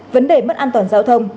vấn đề mất an toàn giao thông